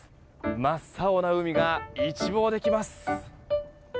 真っ青な海が一望できます。